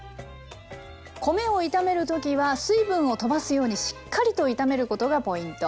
米を炒める時は水分をとばすようにしっかりと炒めることがポイント。